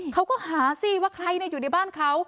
เขาก็หาสิว่าใครอยู่ในบ้านเขา